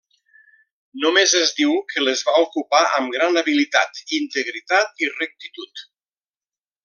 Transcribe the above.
Només es diu que les va ocupar amb gran habilitat, integritat i rectitud.